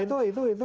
itu itu itu